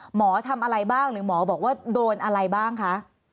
หมอทำอะไรบ้างหรือหมอบอกว่าโดนอะไรบ้างคะ